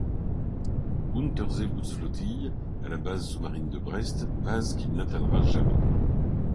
Unterseebootsflottille à la base sous-marine de Brest, base qu'il n'atteindra jamais.